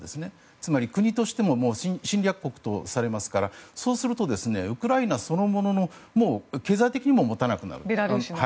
つまり国としても侵略国とされますからそうするとウクライナそのものの経済的にも持たなくなる。